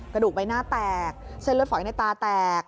กระดูกใบหน้าแตกเส้นเลือดฝอยในตาแตก